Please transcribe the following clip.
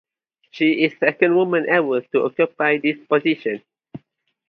She is the second woman ever to occupy this position.